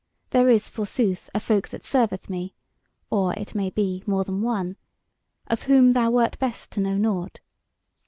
There is, forsooth, a folk that serveth me (or, it may be, more than one), of whom thou wert best to know nought.